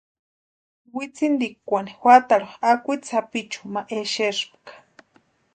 Wintsintikwani juatarhu akwitsi sapichuni ma exespka.